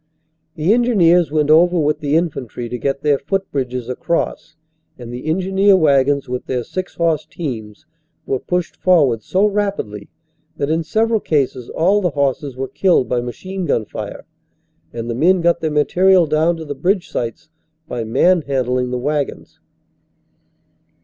The engineers went over with the infantry to get their footbridges across and the engineer wagons with their six horse teams were pushed forward so rapidly that in several cases all the horses were killed by machine gun fire and the men got their material down to the bridge sites by man handling the wagons.